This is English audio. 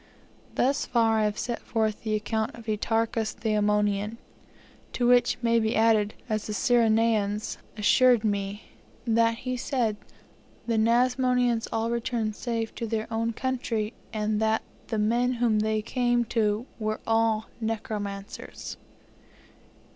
Thus far I have set forth the account of Etearchus the Ammonian; to which may be added, as the Cyrenaeans assured me, "that he said the Nasamonians all returned safe to their own country, and that the men whom they came to were all necromancers."